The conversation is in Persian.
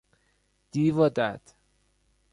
دیو و دد